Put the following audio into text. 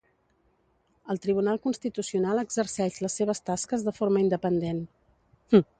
El Tribunal Constitucional exerceix les seves tasques de forma independent.